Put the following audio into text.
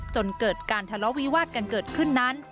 จนเกิดการทะเลาะวิวาดกันเกิดขึ้นนั้น